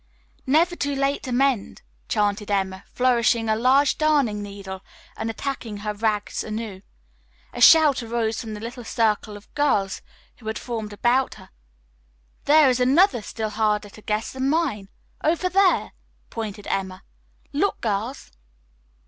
"'Never too Late to Mend,'" chanted Emma, flourishing a large darning needle and attacking her rags anew. A shout arose from the little circle of girls who had formed about her. "There is another still harder to guess than mine. Over there," pointed Emma. "Look, girls!"